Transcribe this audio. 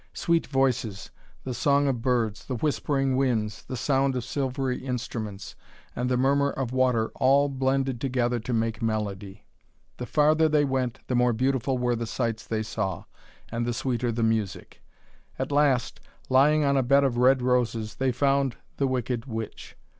Sweet voices, the song of birds, the whispering winds, the sound of silvery instruments, and the murmur of water all blended together to make melody. The farther they went, the more beautiful were the sights they saw, and the sweeter the music. At last, lying on a bed of red roses, they found the wicked witch.